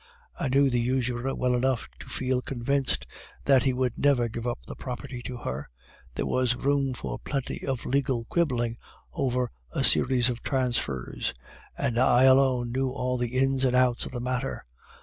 I knew the usurer well enough to feel convinced that he would never give up the property to her; there was room for plenty of legal quibbling over a series of transfers, and I alone knew all the ins and outs of the matter.